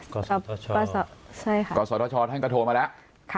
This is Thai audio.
ก่อสตชใช่ค่ะก่อสตชท่านก็โทรมาแล้ว